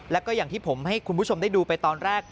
แล้วก็อย่างที่ผมให้คุณผู้ชมได้ดูไปตอนแรก